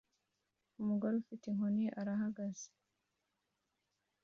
Umugore ufite inkoni arahagaze